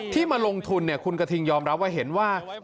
มาลงทุนคุณกระทิงยอมรับว่าเห็นว่า